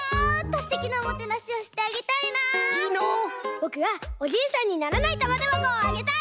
ぼくはおじいさんにならないたまてばこをあげたい！